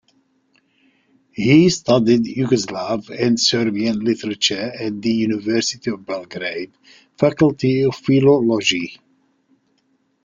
He studied Yugoslav and Serbian literature at the University of Belgrade Faculty of Philology.